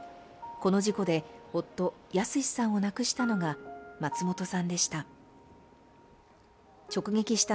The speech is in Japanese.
この事故で夫、康志さんを亡くしたのが松本さんでした。